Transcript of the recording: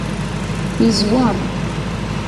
Yeẓweṛ.